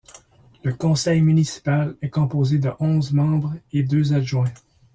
Le conseil municipal est composé de onze membres et deux adjoints.